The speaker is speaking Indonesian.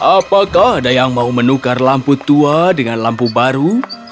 apakah ada yang mau menukar lampu tua dengan lampu baru